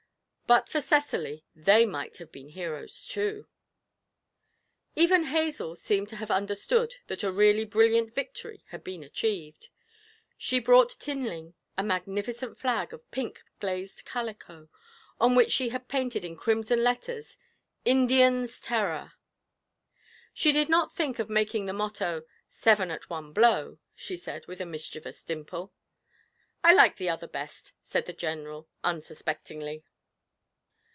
But for Cecily, they might have been heroes, too! Even Hazel seemed to have understood that a really brilliant victory had been achieved; she brought Tinling a magnificent flag of pink glazed calico, on which she had painted in crimson letters: 'Indians' Terror.' 'I did not think of making the motto "Seven at one blow,"' she said, with a mischievous dimple. 'I like the other best,' said the General, unsuspectingly.